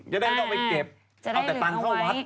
จะได้ไม่ต้องไปเก็บเอาแต่ตังค์เข้าวัด